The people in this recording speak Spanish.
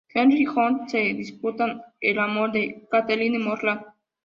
Henry y John se disputan el amor de Catherine Morland.